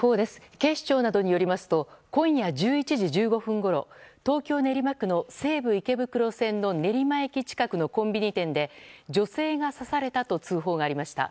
警視庁などによりますと今夜１１時１５分ごろ東京・練馬区の西武池袋線の練馬駅近くのコンビニ店で女性が刺されたと通報がありました。